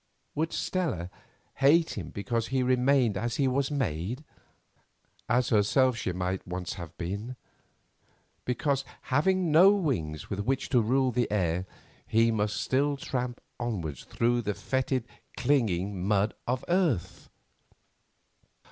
Would Stella hate him because he remained as he was made—as herself she might once have been? Because having no wings with which to rule the air he must still tramp onwards through the foetid, clinging mud of earth?